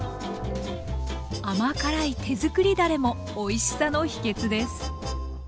甘辛い手づくりだれもおいしさの秘けつです。